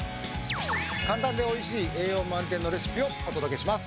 簡単で美味しい栄養満点のレシピをお届けします。